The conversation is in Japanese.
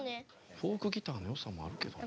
フォークギターのよさもあるけどな。